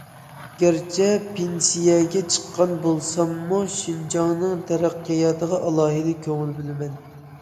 گەرچە پېنسىيەگە چىققان بولساممۇ شىنجاڭنىڭ تەرەققىياتىغا ئالاھىدە كۆڭۈل بۆلىمەن.